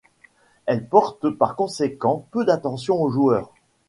Ils portent par conséquent peu d'attention au joueur.